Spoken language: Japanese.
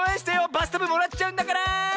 バスタブもらっちゃうんだから！